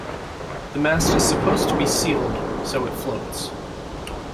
The mast is supposed to be sealed, so it floats.